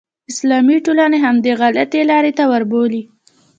اسلامي ټولنې همدې غلطې لارې ته وربولي.